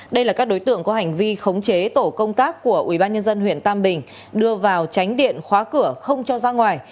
đây là các đối tượng có hành vi khống chế tổ công tác của ubnd huyện tam bình đưa vào tránh điện khóa cửa không cho ra ngoài